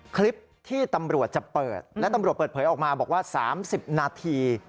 คลิปที่ตำรวจจะเปิดและตำรวจเปิดเผยออกมาบอกว่า๓๐นาที